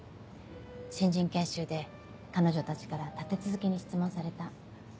新人研修で彼女たちから立て続けに質問された。